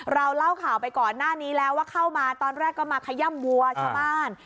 เล่าข่าวไปก่อนหน้านี้แล้วว่าเข้ามาตอนแรกก็มาขย่ำวัวชาวบ้าน